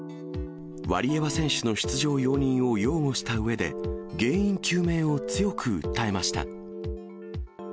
ワリエワ選手の出場容認を擁護したうえで、原因究明を強く訴えました。